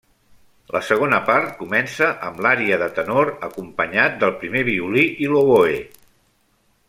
La segona part comença amb l'ària de tenor acompanyat del primer violí i l'oboè.